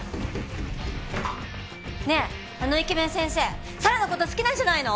ねえあのイケメン先生四朗の事好きなんじゃないの？